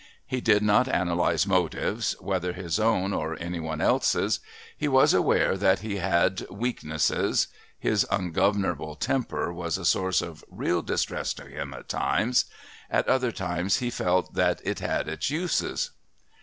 He did not analyse motives, whether his own or any one else's; he was aware that he had "weaknesses" (his ungovernable temper was a source of real distress to him at times at other times he felt that it had its uses).